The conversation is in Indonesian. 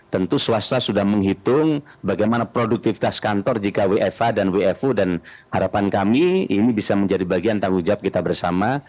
tentu swasta sudah menghitung bagaimana produktivitas kantor jika wfa dan wfo dan harapan kami ini bisa menjadi bagian tanggung jawab kita bersama